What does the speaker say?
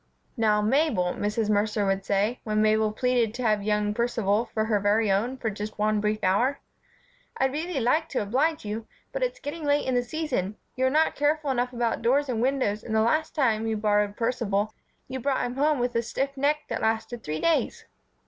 "Now, Mabel," Mrs. Mercer would say, when Mabel pleaded to have young Percival for her very own for just one brief hour, "I'd really like to oblige you, but it's getting late in the season, you are not careful enough about doors and windows and the last time you borrowed Percival you brought him home with a stiff neck that lasted three days."